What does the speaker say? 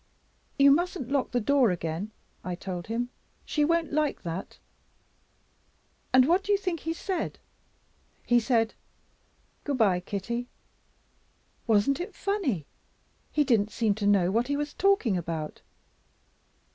'You mustn't lock the door again,' I told him, 'she won't like that'; and what do you think he said? He said 'Good by, Kitty!' Wasn't it funny? He didn't seem to know what he was talking about.